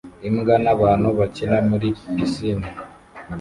Imbwa n'abantu bakina muri pisine